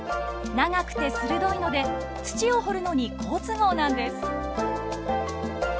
長くて鋭いので土を掘るのに好都合なんです。